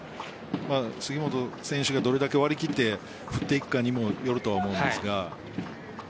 杉本選手がどれだけ割り切って振っていくかにもよるとは思うんですが。